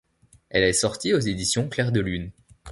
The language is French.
Elle est sortie aux éditions Clair de Lune.